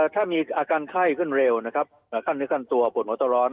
ถ้ามีอาการไข่ขึ้นเร็วนะครับหรือขั้นตัวปวดมตรร้อน